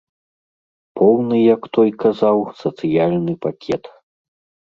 Поўны, як той казаў, сацыяльны пакет.